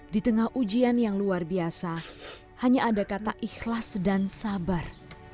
di tengah ujian yang luar biasa hanya ada kata ikhlas dan sabar